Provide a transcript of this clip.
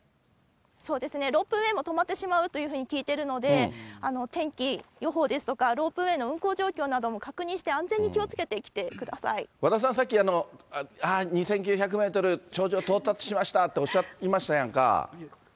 そうですね、ロープウエーも止まってしまうと聞いているので、天気予報ですとか、ロープウエーの運行情報なども確認して安全に気をつけて来てくだ和田さん、さっき、２９００メートル、頂上到達しましたっておっしゃっいましたやんか。